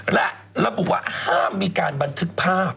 และระบุว่าห้ามมีการบันทึกภาพ